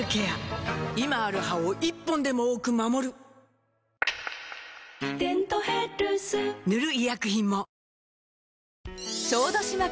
今ある歯を１本でも多く守る「デントヘルス」塗る医薬品も